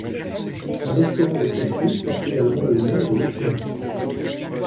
Un restaurant de cette rue porte également le nom de l'écrivain.